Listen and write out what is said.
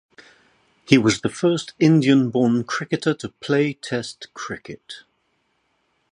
He was the first Indian-born cricketer to play Test cricket.